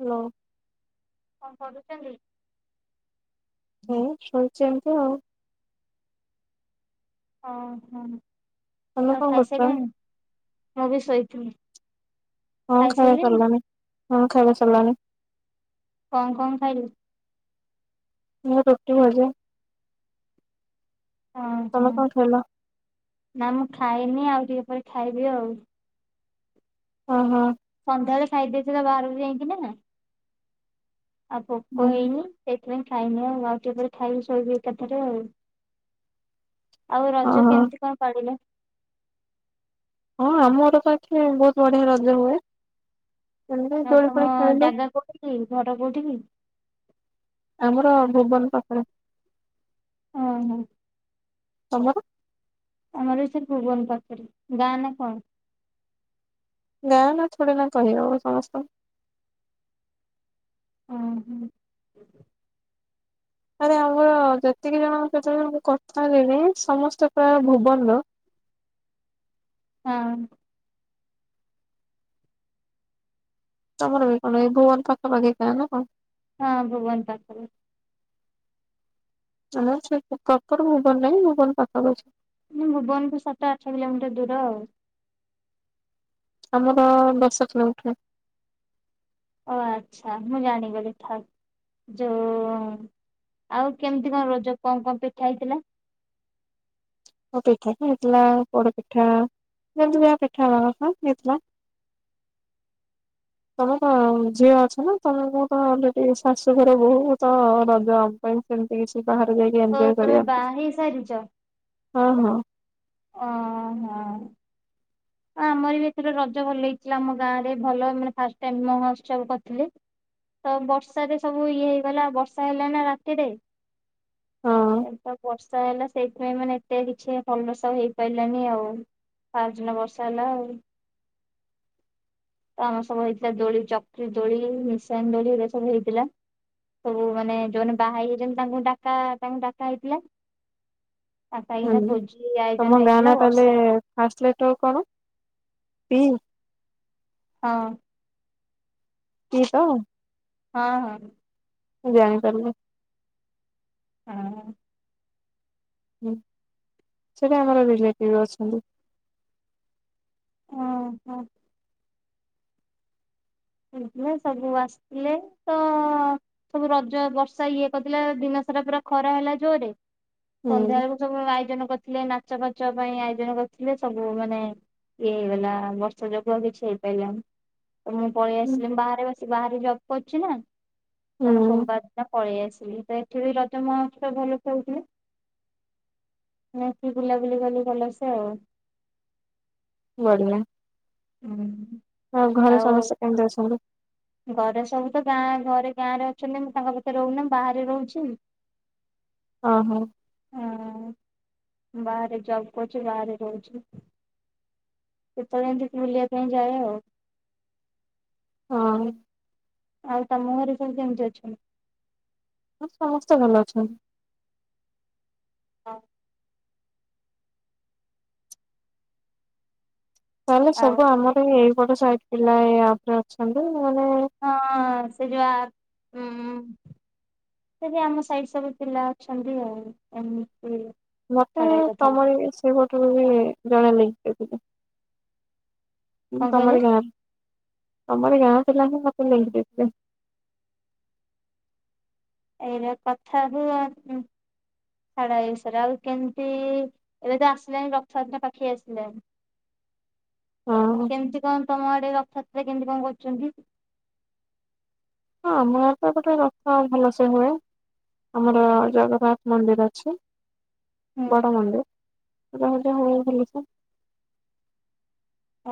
Hello. କଣ କରୁଚନ୍ତି? ମୁଁ ଶୋଇଚି ଏମିତି ଆଉ। ଓହୋ ତମେ ଆଉ କଣ କରୁଛ ଖାଇସାରିଲେଣି ମୁଁ ବି ଶୋଇଥିଲି। ହଁ ଖାଇବା ଖାଇସାରିଲେଣି? ସରିଲାଣିି। ହଁ ଖାଇବା ସରିଲାଣି। କଣ କଣ ଖାଇଲେ? ମୁଁ ରୁଟି ଭଜା। ଓ ହୋ ତମେ କଣ ଖାଇଲ ନା ମୁଁ ଖାଇନି ଆଉ ଟିକେ ପରେ ଖାଇବି ଆଉ। ଅ ହ। ସନ୍ଧ୍ୟାବେଳେ ଖାଇଦେଇଛି ନା ବାହାରକୁ ଯାଇକି ନା। ଆଉ ଭୋକ ହୁଁ ହେଇନି ସେ ସେଥିପାଇଁ ଖାଇନି ଆଉ। ଆଉ ଟିକେପରେ ଖାଇବି ଶୋଇବି ଏକାଥରେ ଆଉ। ଆଉ ରଜ ଓହୋ ହଁ କେମିତି କଣ ପାଳିଲେ? ହଁ ଆମର ତ ଏଠି ବହୁତ ବଢିଆ ରଜ ହୁଏ। ଏମିତି ଆଉ ଦୋଳି ତମ ଫୋଳି ଖେଳିଲୁ। ଜାଗା କୋଉଠି କି? ଘର କୋଉଠି କି? ଆମର ଭୁବନ ପାଖରେ। ଅ ହଁ। ତମର? ଆମର ବି ସେଇ ଭୁବନ ପାଖରେ। ଗାଁ ନା କଣ? ଗାଁ ନା ଥୋଡୀ ନା କହିହବ ସମସ୍ତଙ୍କୁ। ଉଁ ହୁଁ। ଆରେ [inaudible] ଆମର ଯେତିକି ଜଣ କେତେ ଜଣ କଥା ହେଲିଣି ସମସ୍ତେ ପ୍ରାୟ ଭୁବନର। ହଁ। ତମର ବି କଣ ଏ ଭୁବନ ପାଖା ପାଖି ଗାଁ ନା କଣ? ହଁ ଭୁବନ ପାଖ ପାଖି। ନା ସେ ପ୍ରପର ଭୁବନ ନାଇଁ ଭୁବନ ପାଖାପାଖି। ଭୁବନଠୁ ସାତ ଆଠ କିଲୋମିଟର ଦୂର ଆଉ। ଆମର ଦଶ କିଲୋମିଟର। ଓ ଆଚ୍ଛା ମୁଁ ଜାଣି ଗଲି ଠା ଯୋଉ ଆଉ କେମିତି କଣ ରଜ କଣ କଣ ପିଠା ହେଇଥିଲା? ଅପେକ୍ୟା ହେଇଥିଲା ପୋଡ ପିଠା ଯେମିତି ଯା ପିଠା ହବ କଥା ହେଇଥିଲା। [unintelligible] ତମର ଝିଅ ଅଛି ନା ତମେ ମୁ ତ ଅଲରେଡି ଶାଶୁଘର ବହୁତ ରଜ ଆମ ପାଇଁ ସେମତି କିଛି ବାହରେ ଯାଇକି ଓ ଏନଜୟ ତମେ କରିବା ବାହା ପାଇଁ ହେଇ ସାରିଛ ହୁଁ ହୁଁ। ଓହୋ ଆ ଆମର ବି ଏ ରଜ ଭଲ ହେଇଥିଲା ଆମ ଗାଁରେ ଭଲ ମାନେ ଫାଷ୍ଟ ଟାଇମ୍ ମହଉର୍ତ୍ସବ କରିଥିଲେ। ତ ବର୍ଷାରେ ସବୁ ଇଏ ହେଇଗଲା ବର୍ଷା ହେଲା ନା ରାତିରେ। ହଁ ଏ ତ ବର୍ଷା ହେଲା ସେଇଥିପାଇଁ ମାନେ ଏତେ କିଛି ଭଲ ସେ ତ ହେଇପାରିଲାନି ଆଉ ତାର ଜିନ ବର୍ଷା ହେଲା ଆଉ। ତ ଆମର ସବୁ ହେଇଥିଲା ଦୋଳି ଚକ୍ରି ଦୋଳି ମିସନ ଦୋଳି ଏ ସବୁ ହେଇଥିଲା। ସବୁ ମାନେ ଯୋଉ ବାହା ହେ ହେଇ ତାଙ୍କୁ ଡା ତାଙ୍କୁ ଡାକା ହେଇଥିଲା। ତାଙ୍କ ପାଇଁ ନ ଏ ହୁଁ। ଭୋଜି ତମ ଆୟୋଜନ ଗାଁ ହେଇଥିଲା ନା ତାହେଲେ ବର୍ଷା ଫାସଲେଟର କଣ ପି? ହଁ। ପି ତ? ହଁ ହଁ। ମୁଁ ଜାଣିପାରିଲି। ହୁଁ। ହଁ ସେଟା ଆମର [unintelligible] ଅଛନ୍ତି। ଓହୋ ସବୁ ଆସିଥିଲେ ତ ସବୁ ରଜ ବର୍ଷା ଇଏ କରିଥିଲା ଦିନ ପୁରା ଖରା ହେଲା ଜୋରେ ହୁଁ ସନ୍ଧ୍ୟାବେଳ ସବୁ ଆୟୋଜନ କରିଥିଲେ ନାଚ ଫାଚ ପାଇଁ ଆୟୋଜନ କରିଥିଲେ ସବୁ ଇଏ ମାନେ ଇଏ ହେଇଗଲା ବର୍ଷ ଯୋଗୁ ଆଉ କିଛି ହେଇପାରିଲଲାନି ତ ମୁଁ ପଳେଇ ହୁଁ ଆସିଲି ବାହାରେ ଆସି ବାହାରେ ଜବ୍ କରିୁଛି ନା ତମେ ହୁଁ। ସୋମବାର ନା ପଳେଇ ଆସିଲି ତ ଏଠି ବି ରଜ ମହଉର୍ତ୍ସବ ଭଲ ସେ ହୋଉଥିଲା। ନା କି ବୁଲାବୁଲି କଲ ଭଲ ସେ ଆଉ ବଢିଆ ହୁଁ [inaudible] ଆଉ ଘରେ ସମସ୍ତେ କେମତି ଅଛନ୍ତି? ଘରେ ସବୁ ତ ଗାଁ ଘରେ ଗାଁରେ ଅଛନ୍ତି ମୁଁ ତାଙ୍କ ଭିତରେ ରହୁନି ମୁଁ ବାହାରେ ରହୁଛି। ଅ ହଁ। ହଁ ବାହାରେ ଜବ କରିଛି ବାହାରେ ରହୁଛି। କେତେବେଳେ ଏମତି ବୁଲିବା ପାଇଁ ଯାଏ ଆଉ। ହଁ। ଆଉ ତମ ଘରେ ସବୁ କେମତି ଅଛନ୍ତି? ସମସ୍ତେ ଭଲ ଅଛନ୍ତି। [inaudible] ହଁ। ତାହେଲେ ଆଉ ସବୁ ଆମର ଏଇ ବଡ ସାଇଟ ପିଲା ପରେ ଅଛନ୍ତି ମାନେ ହଁ ସେ ଯା ଆପ ହୁଁ। [inaudible] ସେଠି ଆମ ସାଇଡ ସବୁ ପିଲା ଅଛନ୍ତି। ଆଉ ଏମିତି ମତେ ଛାଡ ଏଇ କଥା ତମର ସେ। [unintelligible] ଉଁ ତମରି କଣ କହିଲେ ଗାଁ ରୁ। ତମରି ଗାଁ ଥିଲା ମତେ ନେଇକି ଯାଇଥିଲ। ଏଇରେ କଥା ହୁଅ ଉଁ। [unintelligible] ଆଉ କେମିତି ଏବେ ତ ଆସିଲାଣି ରଥ ଯାତ୍ରା ତ ପାଖେଇ ଆସିଲେଣି। ହଁ [inaudible] ହଁ କେମିତି କଣ ତମ ଆଡେ ରଥ ସେ କେମିତି କଣ କରୁଛନ୍ତି? [inaudible] ହଁ ଆମ ଆ ତ ଗୋଟେ ରଥ ଭଲ ସେ ହୁଏ। ଆମର ଜଗନ୍ନାଥ ମନ୍ଦିର ଅଛି। ହୁଁ। ବଡ଼ ମନ୍ଦିର ପୂଜା ଫୁଜା ହୁଏ ଭଲସେ। [inaudible]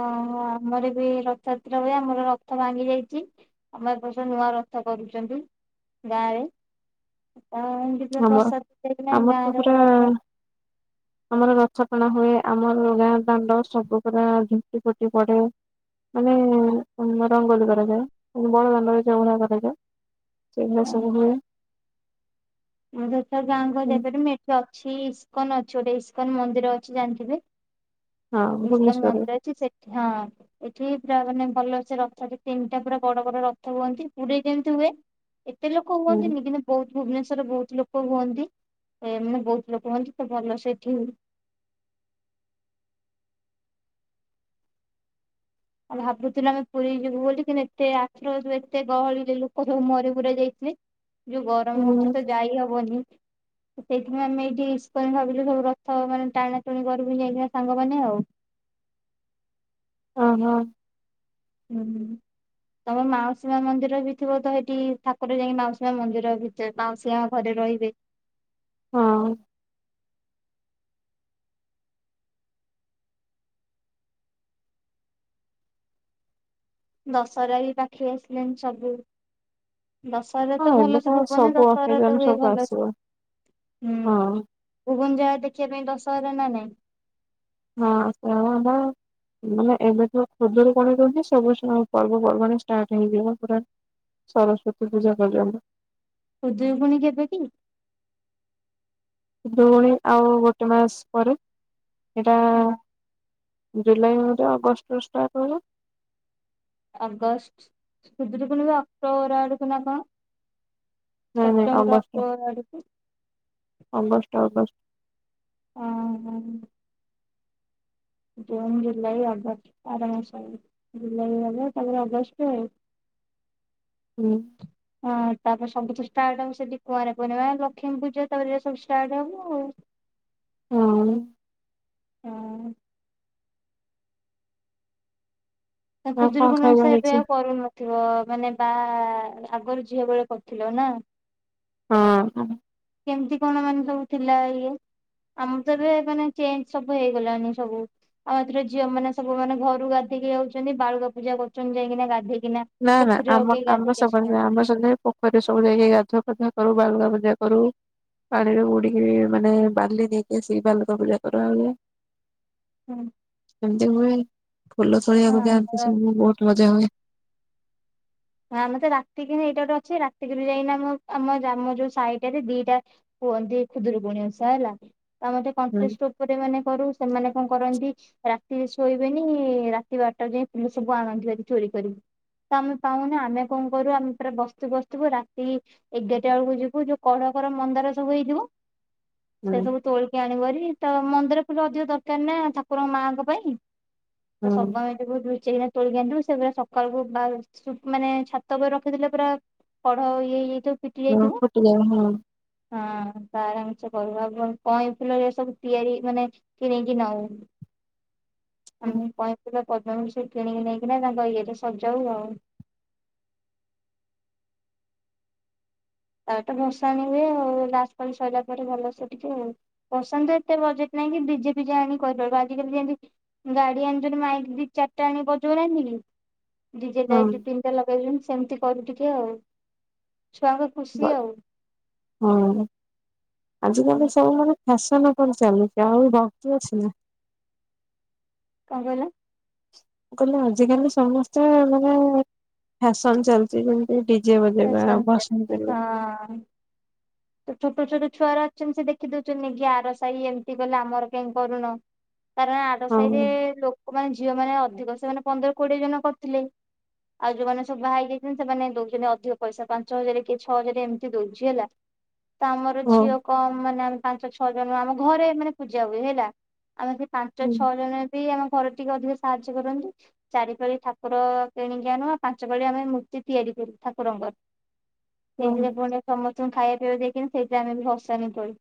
ଓହୋ ଆମର ବି ରଥଯାତ୍ରା ହୁଏ ଆମର ରଥ ଭାଙ୍ଗି ଯାଇଛି ଆମର ଏ ବର୍ଷ ନୂଆ ରଥ କରୁଛନ୍ତି ଗାଁରେ। [inaudible] ପୁରା ଆମର ପ୍ରସାଦ ଦେଇକିନା ଆମର ତ ଗାଁରେ ପୁରା ରଥ ଆମର ଗଛ ଣା ହୁଏ ଆମର ଗାଁ ଦାଣ୍ଡ ସବୁ ପୁରା ଝୋଟି ଫୁଟି ପଡେ। ମାନେ ମ ରଙ୍ଗୋଲି କରାଯାଏ ବଡଦାନରେ ଝଉଣା କରାଯାଏ। ସେଇ ସବ ହୁଏ। ମୁଁର ଗାଁ ଘର ଯେପାର ମେଠ ଅଛି ଇସ୍କନ ଅଛି ଗୋଟେ ଇସ୍କନ ମନ୍ଦିର ଅଛି ଜାଣିଥିବେ? ହଁ ଇସ୍କନ ଭୁବନେଶ୍ୱରରେ ମନ୍ଦିର ଅଛି ସେଠି ହଁ ଏଠି ପୁରା ମାନେ ଭଲ ସେ ରଥ ଟ ତିନିଟା ପୁରା ବଡ ବଡ ରଥ ହୁଅନ୍ତି ପୁରୀ ଯେମିତି ହୁଏ। ସେ ଲୋକ ହୁଁ ହୁନ୍ତିନି କି ବହୁତ ଭୁବନେଶ୍ୱ ରେ ବହୁତ ଲୋକ ହୁଅନ୍ତି ଏ ବହୁତ ଲୋକ ହୁଅନ୍ତି ତ ଭଲ ସେଇଠି [inaudible] ଆଉ ଭାବୁଥିଲୁ ଆମେ ପୁରୀ ଯିବୁ ବୋଲି କିନ୍ତୁ ଏତେ ଆଶ୍ରୟ ଏତେ ଗହଳି ଲୋକ ସବୁ ମରି ମୁରା ଯାଇଥିଲେ। ଯୋଉ ଗରମ ହୁଁ ହଉଛି ତ ଯାଇ ହବନି। ସେଇଥିପଁ ଆମେ ଏଇଠି ୟଜ ଭାବିଲୁ ସବୁ ରଥ ମାନେ ଟାଣା ଟୁଣି କରିବୁ ଯାଇଥିବା ସାଙ୍ଗମାନେ ଆଉ। [inaudible] ହ ହଁ। ହୁଁ ହୁଁ। ତମେ ମାଉସୀମା ମନ୍ଦିର ବି ଥିବ ତ ସେଇଠି ଠାକୁର ଯାଇକି ମାଉସୀମା ମନ୍ଦିର ଭିତରେ ମାଉସୀମା ଘରେ ରହିବେ। ହଁ। ଦଶହରା ବି ପାଖି ଆସିଲାଣି ସବୁ। ଦଶହରା ହଁ ତ ଏବେ ଭଲ ସେ ଭୁବନ ସବୁ ଦଶହରା ତ ଅକେଜନ ହୁଏ ସବୁ ଭଲ ସେ। ଆସିବ ହୁଁ ହଁ ଭୁବନ ଜାଗା ଦେଖିବା ପାଇଁ ଦଶହରା ନା ନାଇଁ? ହଁ ସେ। [unintelligible] ମାନେ ଏବେ ତ ଖୋଦରୁ କଣ ଦହୁଛି ସବୁ ପର୍ବପର୍ବାଣି ଷ୍ଟାର୍ଟ ହେଇଗଲା ପୁରା ସରସ୍ଵତୀ ପୂଝା ପର୍ୟ୍ୟନ୍ତ। ଉଦୟପୁଣି କେବେ କି? ଭୁଉଣୀ ଆଉ ଗୋଟେ ମାସ ପରେ। ହଁ। ଜୁଲାଇ ମ ଅଗଷ୍ଟରେ ଷ୍ଟାର୍ଟ ହେଲା। ଆଗଷ୍ଟ ଖୁଦ୍ରୁ୍କୁଣୀ ବା ଅକ୍ଟୋବର ଆଡ଼କୁ ନା କ? ନାଇଁ ନାଇଁ ସେପ୍ଟେମ୍ବର ଅଗଷ୍ଟ ଅକ୍ଟୋବର ଆଡ଼କୁ। August August. ହଁ ହ। ଜୁନ୍ ଜୁଲାଇ ଅଗଷ୍ଟ ବାର ମାସ ଜୁଲାଇ ଅଗଷ୍ଟ ତାରେ ଅଗଷ୍ଟ ଏ। [inaudible] ହୁଁ। ହଁ ତାପରେ ସବୁ ତ ଷ୍ଟାର୍ଟ ହବ ସେଠି କୁଆଁରେ ପୂର୍ଣିମା ଲକ୍ଷ୍ମୀ ପୂଜା ତାପରେ ସବୁ ଷ୍ଟାର୍ଟ ହବ ଆଉ। [inaudible] ହଁ। ଆଁ ତମେ ଆଉ କଣ ଖୁଦୁରୁକୁଣୀ ଖାଇବା ଓଷା ହେଇଛି ପ୍ରାୟ କରୁନଥୁବ ମାନେ ବା ଆ-ଆଗରୁ ଝିଅ ବେଳେ କରୁଥୁଲ ନା? ହଁ। କେମତି କଣ ମାନେ ସବୁ ଥିଲା ଇଏ? ଆମର ତ ଏବେ ମାନେ ଚେଞ୍ଜ ସବୁ ହେଇଗଲାଣିି ସବୁ। ଆଉ ଏଥର ଝିଅମାନେ ସବୁ ମାନେ ଘରୁ ଗାଧେଇକି ଯାଉଛନ୍ତି ବାଳୁକା ପୂଜା କରୁଛନ୍ତି ଯାଇକିନା ଗାଧେଇ ନା ନା ଆମର ଆମେ ସମସ୍ତେ ଆମେ ସବୁ ପୋଖରୀ ସବୁ ଯାଇକି ଗାଧୁଆ ପାଧୁଆ କରୁ ବାଲୁକା ପୂଜା କରୁ। ପାଣିରେ ବୁଡିକି ମାନେ ବାଲି ନେଇକି ଆସିକି ବାଲୁକା ପୂଜା କରାହୁଏ। ଏମିତି ହୁଏ ଫୁଲ ତୋଳିବାକୁ ଯାଆନ୍ତି ଆମର ସବୁ ବୋହୁତ ମଜା ହୁଏ। ଆ ଆମେ ତ ରାତିକୁ ହିଁ ଏଇଟା ଗୋଟେ ଅଛି ରାତିକିରୁ ଯାଇକିନା ମୁଁ ଆମ ଯାମୁ ଯୋଉ ସାଇଟାରେ ଦିଟା କୁହନ୍ତି ଖୁଦୁରୁକୁଣୀ ଓଷା ହେଲା ତ ଆମେ ତ ହୁଁ କଣ୍ଟେଷ୍ଟେ ଏପଟେ ମାନେ କରୁ ସେମାନେ କଣ କରନ୍ତି ରାତିରେ ଶୋଇବେନି ରାତି ବାରଟାରୁ ଯାଇଁ ଫୁଲ ସବୁ ଆଣନ୍ତି ଭାରି ଚୋରି କରିକି। ତମେ ପାଉନୁ ଆମେ ଆଉ କଣ କରୁ ଆମେ ପୁରା ବସଥିବୁ ବସଥିବୁ ରାତି ଏଗାରଟା ବେଳକୁ ଯିବୁ ଯୋଉ କଢକଢ ମନ୍ଦାର ସବୁ ହେଇଥିବ ହୁଁ ସେ ସବୁ ତୋଳିକି ଆଣିବୁ ଭାରି ତ ମନ୍ଦାର ଫୁଲ ଅଧିକ ଦରକାରନା ଠାକୁର ମାଆଙ୍କ ପାଇଁ। ତ ସବୁ ହୁଁ। ଆମେ ଫୁଲକୁ ଲୁଚେଇକିନା ତୋଳିକି ଆଣିଥିବୁ ସେଗୁଡା ସକାଳକୁ ମାଳ ଶୁ-ମାନେ ଛାତ ଉପରେ ରଖିଦେଲେ ପୁରା କଢ ଇଏ ହେଇ ଯାଇଥିବ। ହଁ ଫୁଟିଯାଏ ହଁ। ହଁ ତା ଆରାମସେ କରିହବ କଇଁ ଫୁଲରେ ସବୁ ତିଆରି ମାନେ କିଣିକି ନାଉଁ। ହଁ ଆମେ କଇଁଫୁଲ ପଦ୍ମଫୁଲ ସବୁ କିଣିକି ନେଇକିନା ତାଙ୍କ ଇଏରେ ସଜାଉ ଆଉ। ତାପରେ ଭସାଣି ହୁଏ ଆଉ ଲାଷ୍ଟ ପାଳି ସରିଲା ପରେ ଭଲସେ ଟିକେ ଆଉ ଭସାଣି ତ ଏତେ ବଜେଟ୍ ଆଣିକି ଡିଜେ ଫିଜେ ଆଣିକି କରିପାରିବୁ ଆଜିକାଲି ଯେମିତି ଗାଡି ଆଣିଛନ୍ତି ମାଇକ୍ ଦି ଚାରିଟା ଆଣିକି ବଜଉ ନାହାନ୍ତି କି? ଡିଜେ ହଁ। ଲାଇଟ୍ ଦି ତିନିଟା ଲଗେଇଛନ୍ତି ସେମିତି କରୁ ଟିକେ ଆଉ ଛୁଆ ଙ୍କ [unintelligible] ହଁ ଆଜିିକାଲି ସବୁମାନେ [unintelligible] ଚାଲୁଛି ଆଉ ଭକ୍ତି ଅଛି ନା କଣ କହିଲ? ମୁଁ କହିଲି ଆଜିିକାଲି ସମସ୍ତେ ମାନେ ଫ୍ୟାସନ ଚାଲିଛି ଯେମିତିକି ଡି ଡିଜେ ବଜେଇବା ଆଉ ପସନ୍ଦ କରିବା। ହଁ। ତ ଛୋଟ ଛୋଟ ଛୁଆଅରା ଅଛନ୍ତି ସେ ଦେଖିଦଉଛନ୍ତି କି ଆର ସାହି ଏମିତି କଲେ ଆମର କାଇଁ କରୁନ? କାରଣ ଆର ହଁ ସାହି ରେ ଲୋକମାନେ ଝିଅମାନେ ଅଧିକ ସେମାନେ ପନ୍ଦର କୋଡିଏ ଜଣ କରିଥିଲେ। ଆଉ ଯୋଉମାନେ ସବୁ ବାହା ହେଇଯାଇଛନ୍ତି ସେମାନେ ଦଉଛନ୍ତି ଅଧିକ ପଇସା ପାଞ୍ଚ ହଜାର କି ଛଅ ହଜାର ଏମିତି ଦଉଛି ହେଲା। ତ ଆମର ହଁ ଝିଅ କମ୍ ମାନେ ଆମେ ପାଞ୍ଚ ଛଅ ଜଣ ଆମ ଘରେ ମାନେ ପୂଜା ହୁଏ ହେଲା। ଆମେ ବି ପାଞ୍ଚ ହଁ ଛଅ ଜଣରେ ବି ଆମେ ଘର ଟିକେ ଅଧିକ ସାହାଯ୍ୟ କରନ୍ତି। ଚାରିପାଳି ଠାକୁର କିଣିକି ଆଣୁ ପାଞ୍ଚପାଳି ଆମେ ମୂର୍ତ୍ତି ତିଆରି ଠାକୁରଙ୍କର ହଁ। ସେଇଥିରେ ପୁଣି ସମସ୍ତଙ୍କୁ ଖାଇ ପିବା ଦେଇକି ନା ସେଇଥିରେ ଆମେ ବି ଭସାଣି କରୁ।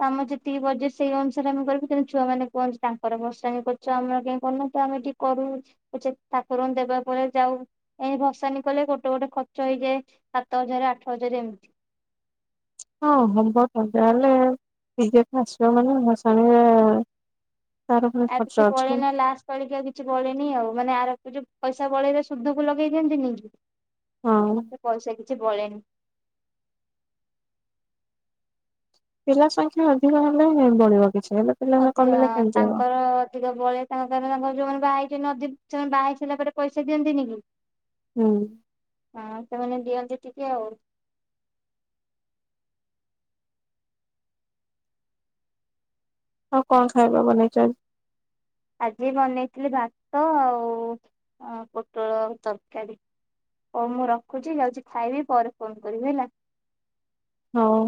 ତ ଆମେ ଯେତିକି ବଜେଟ୍ ସେଇ ଅନୁସାରେ ଆମେ କରିବୁ ତେଣୁ ଛୁଆମାନେ କୁହନ୍ତି ତାଙ୍କର ଭସାଣି କରୁଛ ଆମର କାଇଁ କରୁନ ତ ଆଉ ଏଠି କରୁ ପଛେ [unintelligible] ଦେବା ପରେ ଯାଉ। ଏମିତି ଭସାଣି କଲେ ଗୋଟେ ଗୋଟେ ଖର୍ଚ୍ଚ ହେଇଯାଏ। ସାତ ହଜାର ଆଠ ହଜାର ଏମିତି ହଁ ହବ ତ ଯାହେଲେ ଡିଜେ ତ ଆସିବ ମାନେ ଭସାଣିରେ ତାର ପୁଣି ଆଉ ଖର୍ଚ୍ଚ କିଛି ଅଛି ବଳେନା ଲାଷ୍ଟ ପାଳିକି ଆଉ କିଛି ବଳେନି ଆଉ ମାନେ ଆର ବର୍ଷ ଯଉ ପଇସା ବଳେଇଲେ ସୁଧକୁ ଲଗେଇ ଦିଅନ୍ତିନି କି, ହଁ। ସେ ପଇସା କିଛି ବଳେନି। ପିଲା ସଂଖ୍ୟା ଅଧିକ ହେଲେ ବଳିବ। କିଛି ହେଲେ ପିଲା ଅଧିକ କମିଲେ କେମିତି ହବ ତାଙ୍କର ଅଧିକ ବଳେ ତାଙ୍କ ତାଙ୍କର ଯୋଉମାନେ ବାହା ଟଏ ନଦୀ ସେମାନେ ବାହା ହେଇ ସାରିଲା ପରେ ପଇସାିଅନ୍ତିନି କି। ହୁଁ। ହଁ ସେମାନେ ଦିଅନ୍ତି ଟିକେ ଆଉ। ଆଉ କଣ ଖାଇବା ବନେଇଚ ଆଜି? ଆଜି ବନେଇଥିଲି ଭାତ, ଆଉ ପୋଟଳ ତରକାରୀ। ହଉ ମୁଁ ରଖୁଛି ଯାଉଛି ଖାଇବି ପରେ ଫୋନ କରିବି ହେଲା। ହଉ।